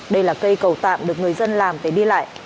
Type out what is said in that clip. đây là cây cầu tạm được người dân làm để đi lại